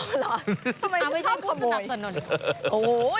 เอาไม่ชอบขโมย